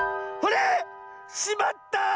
あれ⁉しまった！